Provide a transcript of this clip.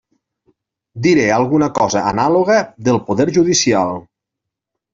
Diré alguna cosa anàloga del poder judicial.